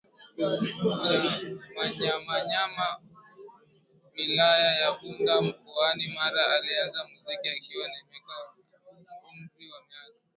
cha Manyamanyama wilaya ya Bunda mkoani Mara alianza muziki akiwa na umri wa miaka